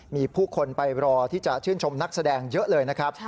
มีผู้คนไปรอที่จะชื่นชมนักแสดงเยอะเลยนะครับ